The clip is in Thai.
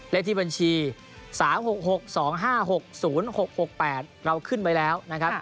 เลขที่บัญชี๓๖๖๒๕๖๐๖๖๘เราขึ้นไว้แล้วนะครับ